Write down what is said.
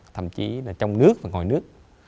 thậm chí là trong nước và ngoài nước